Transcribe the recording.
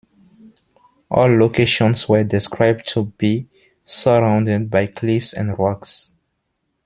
All locations were described to be surrounded by cliffs and rocks.